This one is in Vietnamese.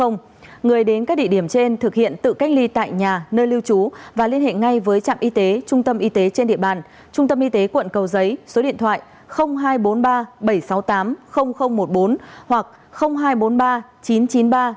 người đến các địa điểm trên thực hiện tự cách ly tại nhà nơi lưu trú và liên hệ ngay với trạm y tế trung tâm y tế trên địa bàn trung tâm y tế quận cầu giấy số điện thoại hai trăm bốn mươi ba bảy trăm sáu mươi tám một mươi bốn hoặc hai trăm bốn mươi ba chín trăm chín mươi ba